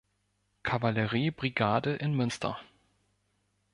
Kavallerie-Brigade in Münster.